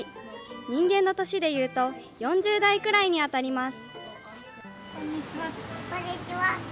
人間の年でいうと４０代ぐらいに当たります。